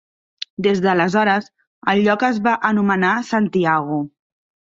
Des d'aleshores, el lloc es va anomenar Santiago.